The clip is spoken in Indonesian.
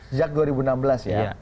sejak dua ribu enam belas ya